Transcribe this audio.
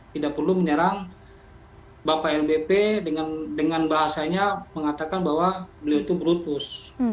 tidak perlu menyerang bapak lbp dengan bahasanya mengatakan bahwa beliau itu brutus